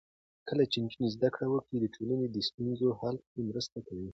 کله چې نجونې زده کړه وکړي، د ټولنې د ستونزو حل کې مرسته کوي.